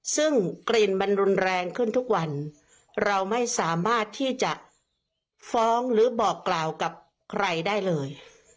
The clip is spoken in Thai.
ซึ่งกลิ่นมันรุนแรงขึ้นทุกวันเราไม่สามารถที่จะฟ้องหรือบอกกล่าวกับใครได้เลย